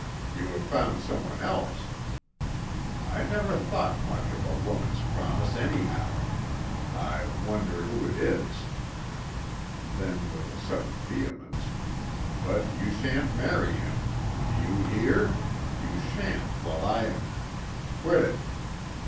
You have found some one else. I never thought much of a woman's promise, anyhow. I wonder who it is." Then with a sudden vehemence. "But you shan't marry him. Do you hear? You shan't while I am " "Quit it!"